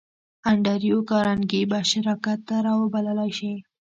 انډریو کارنګي به شراکت ته را وبللای شې